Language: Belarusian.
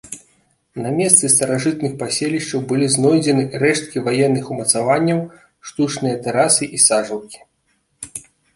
На месцы старажытных паселішчаў былі знойдзены рэшткі ваенных умацаванняў, штучныя тэрасы і сажалкі.